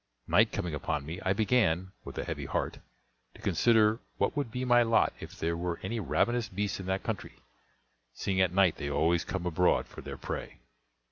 Night coming upon me, I began, with a heavy heart, to consider what would be my lot if there were any ravenous beasts in that country, seeing at night they always come abroad for their prey.